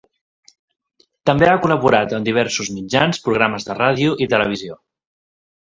També ha col·laborat amb diversos mitjans, programes de ràdio i televisió.